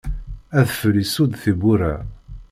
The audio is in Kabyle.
Adfel isudd tiwwura.